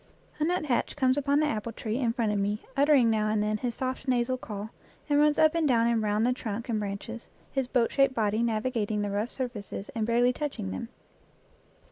A nuthatch comes upon the apple tree in front of me, uttering now and then his soft nasal call, and runs up and down and round the trunk and branches, his boat shaped body navigating the rough surfaces and barely touching them.